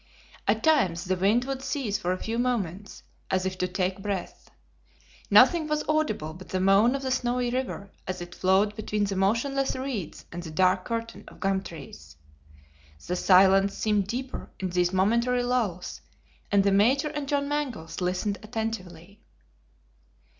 At times the wind would cease for a few moments, as if to take breath. Nothing was audible but the moan of the Snowy River, as it flowed between the motionless reeds and the dark curtain of gum trees. The silence seemed deeper in these momentary lulls, and the Major and John Mangles listened attentively.